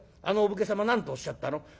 あのお武家様なんとおっしゃったの？